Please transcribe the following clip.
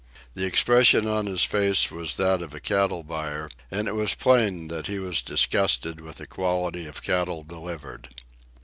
The expression on his face was that of a cattle buyer, and it was plain that he was disgusted with the quality of cattle delivered.